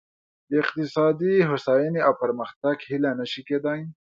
د اقتصادي هوساینې او پرمختګ هیله نه شي کېدای.